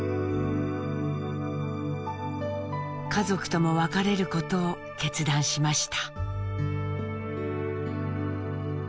家族とも別れることを決断しました。